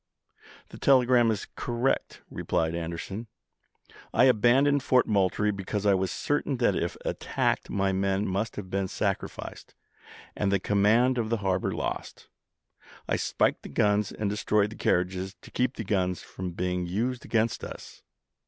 i., p. 3° '" The telegram is correct," replied Anderson. " I abandoned Fort Moultrie because I was certain that if attacked my men must have been sacrificed, and the command of the harbor lost. I spiked the guns and destroyed the carriages to keep the guns Anderson from being used against us."